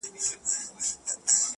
د يو ښايستې سپيني كوتري په څېر;